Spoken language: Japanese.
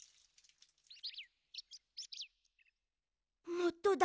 もっとだ。